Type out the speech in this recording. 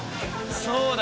「そうだよ。